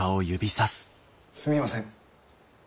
すみません。